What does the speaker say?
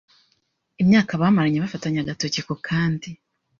Imyaka bamaranye bafatanye agatoki ku kandi